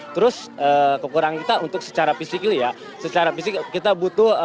terus kekurangan kita untuk secara fisik ya secara fisik kita butuh